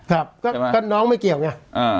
ครับใช่ไหมก็น้องไม่เกี่ยวไงอ่า